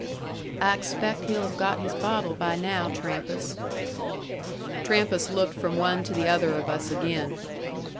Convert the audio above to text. "I expaict he'll have got his bottle by now, Trampas." Trampas looked from one to the other of us again.